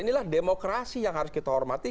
inilah demokrasi yang harus kita hormati